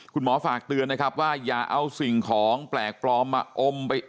ฝากเตือนนะครับว่าอย่าเอาสิ่งของแปลกปลอมมาอมไป